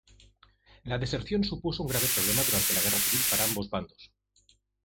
La deserción supuso un grave problema durante la Guerra Civil para ambos bandos.